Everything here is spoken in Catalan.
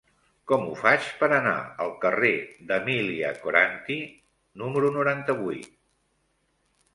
Com ho faig per anar al carrer d'Emília Coranty número noranta-vuit?